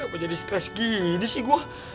kenapa jadi stress gini sih gue